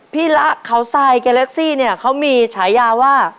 ละเขาทรายเกเล็กซี่เนี่ยเขามีฉายาว่า